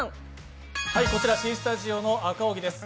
こちらＣスタジオの赤荻です